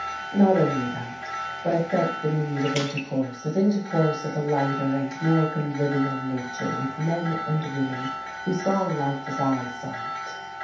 Not only that, but I felt the need of intercourse of intercourse of a lighter and more convivial nature with men and women who saw life as I saw it.